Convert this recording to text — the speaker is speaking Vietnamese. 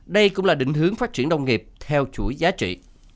đây cũng là định hướng phát triển nông nghiệp theo chuỗi giá trị